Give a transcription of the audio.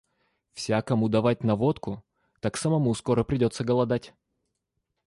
Всякому давать на водку, так самому скоро придется голодать».